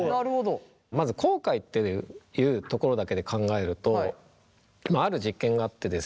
まず後悔っていうところだけで考えるとある実験があってですね